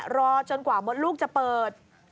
รอจนกว่ามดลูกจะเปิด